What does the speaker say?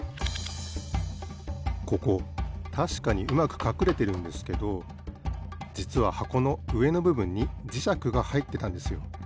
ここたしかにうまくかくれてるんですけどじつははこのうえのぶぶんにじしゃくがはいってたんですよ。